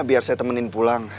biar saya temenin pulang